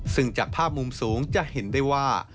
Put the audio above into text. ซึ่งจากภาพมุมสูงจะเห็นได้ว่า